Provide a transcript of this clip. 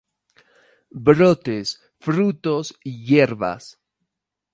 Brotes, frutos y hierbas.